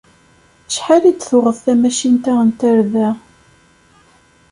Acḥal i d-tuɣeḍ tamacint-a n tarda?